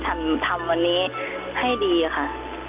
ทำวันนี้ให้ดีค่ะ